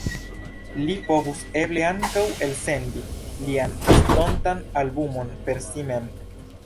Li povus eble ankaŭ elsendi lian estontan albumon per si mem.